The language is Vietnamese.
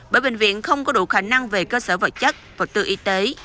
bởi bệnh viện không có đủ khả năng về cơ sở vật chất vật tư y tế